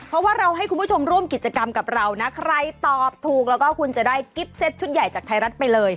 เพราะว่าเราให้คุณผู้ชมร่วมกิจกรรมกับเรานะใครตอบถูกแล้วก็คุณจะได้กิ๊บเซ็ตชุดใหญ่จากไทยรัฐไปเลย